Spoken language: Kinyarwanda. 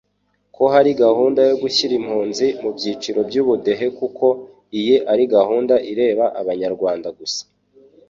ko hari gahunda yo gushyira impunzi mu byiciro by'Ubudehe kuko iyi ari gahunda ireba Abanyarwanda gusa.